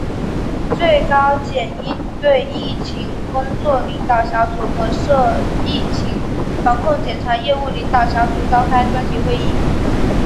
最高检应对疫情工作领导小组和涉疫情防控检察业务领导小组召开专题会议